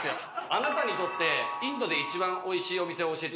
あなたにとってインドで一番おいしいお店を教えていただきたいんですけど。